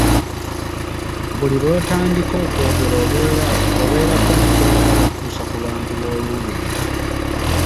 Buli lw'otandika okwogera obeerako ne ky'oyagala okutuusa ku bantu b'oluubirira.